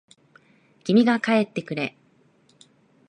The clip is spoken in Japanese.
君が帰ってくれ。